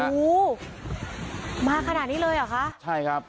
โอ้โฮมาขนาดนี้เลยเหรอคะ